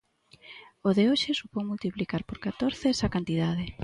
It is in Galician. O de hoxe supón multiplicar por catorce esa cantidade.